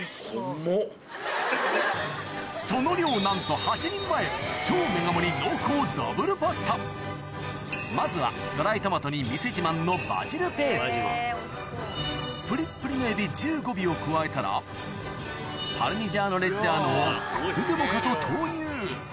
その量なんとまずはドライトマトに店自慢のバジルペーストプリップリのエビ１５尾を加えたらパルミジャーノ・レッジャーノをこれでもかと投入